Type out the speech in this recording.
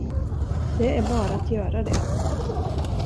Det är bara att göra det.